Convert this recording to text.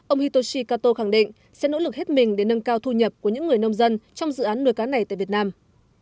ông hitoshi kato khẳng định sẽ nỗ lực hết mình để nâng cao thu nhập của những người nông dân trong dự án nuôi cá này tại việt nam